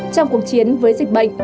trong cuộc chiến với dịch bệnh